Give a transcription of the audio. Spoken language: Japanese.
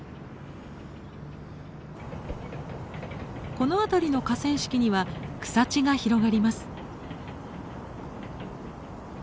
この辺りの河川敷には草地が広がります。